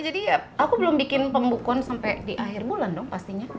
jadi aku belum bikin pembukuan sampe di akhir bulan dong pastinya